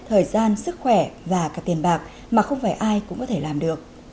thời gian sức khỏe và cả tiền bạc mà không phải ai cũng có thể làm được